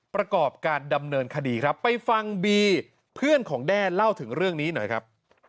ประกอบการดำเนินคดีครับไปฟังบีเพื่อนของแด้เล่าถึงเรื่องนี้หน่อยครับ